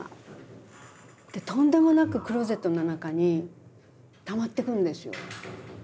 とんでもなくクローゼットの中にたまっていくんですよ。